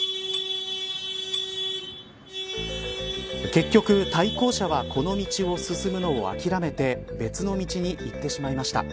結局、対向車はこの道を進むのを諦めて別の道に行ってしまいました。